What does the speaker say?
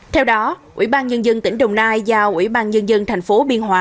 theo đó ủy ban nhân dân tỉnh đồng nai giao ủy ban nhân dân thành phố biên hòa